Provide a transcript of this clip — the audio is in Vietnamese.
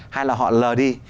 hay là họ lờ đi